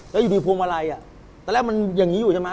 แล้วอยู่ที่พวงมาลัยตอนแรกมันอย่างนี้อยู่อย่างนั้น